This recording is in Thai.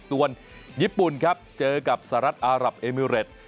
ส่วนยรี่ปุ่นครับเจอกับสระอัลลับเอมิเรช